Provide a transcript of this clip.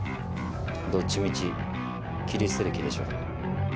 どっちみち切り捨てる気でしょ。